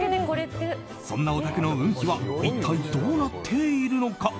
そんなお宅の運気は一体どうなっているのか。